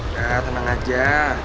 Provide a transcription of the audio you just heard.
ya tenang aja